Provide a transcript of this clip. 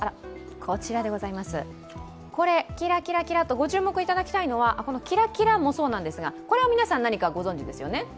ご注目いただきたいのはキラキラもそうなんですがこれは皆さん何かご存じですよね？